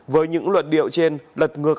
với những luật điệu trên lật ngược